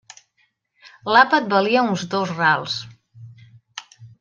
L'àpat valia uns dos rals.